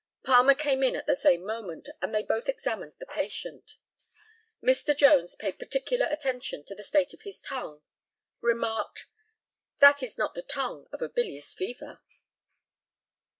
Palmer came in at the same moment, and they both examined the patient. Mr. Jones paid particular attention to the state of his tongue; remarked, "That is not the tongue of bilious fever."